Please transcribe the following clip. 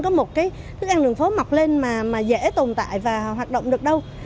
có một cái thức ăn đường phố mọc lên mà dễ tồn tại và hoạt động được đâu